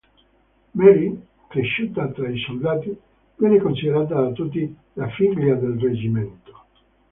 Mary, cresciuta tra i soldati, viene considerata da tutti "la figlia del reggimento".